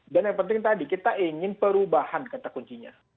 dan yang penting tadi kita ingin perubahan kata kuncinya